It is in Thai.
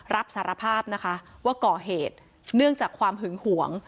รับสารภาพนะคะว่าก่อเหตุเนื่องจากความหึงหวง